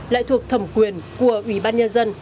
lại thuộc thẩm quyền của ủy ban nhân dân